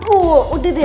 oh udah deh